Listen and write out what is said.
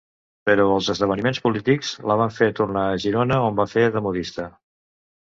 Però els esdeveniments polítics la van fer tornar a Girona on va fer de modista.